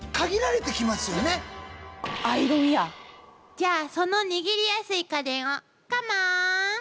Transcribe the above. じゃあその握りやすい家電をカモン！